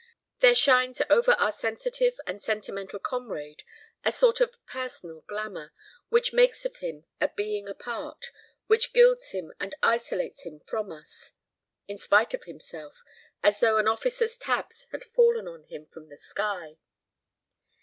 There shines over our sensitive and sentimental comrade a sort of personal glamour, which makes of him a being apart, which gilds him and isolates him from us, in spite of himself, as though an officer's tabs had fallen on him from the sky.